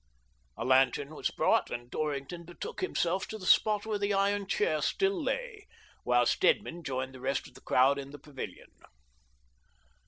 A lantern was brought, and Dorrington betook himself to the spot where the iron chair still lay, while Stedman joined the rest of the crowd in the pavilion.